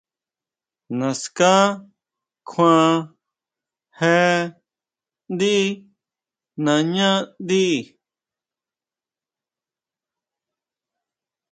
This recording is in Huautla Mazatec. ¿Naská kjuan jé ndí nañáʼndí?